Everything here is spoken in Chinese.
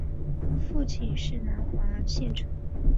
父亲是南华县丞。